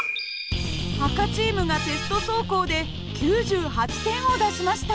赤チームがテスト走行で９８点を出しました。